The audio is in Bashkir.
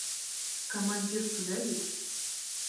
Командир түҙә бит.